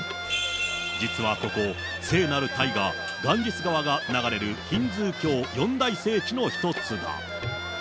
実はここ、聖なる大河、ガンジス川が流れるヒンズー教四大聖地の一つだ。